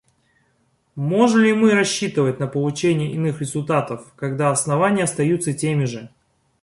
Можем ли мы рассчитывать на получение иных результатов, когда основания остаются теми же?